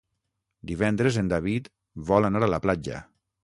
Divendres en David vol anar a la platja.